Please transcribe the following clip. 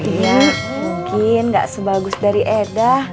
iya mungkin gak sebagus dari eda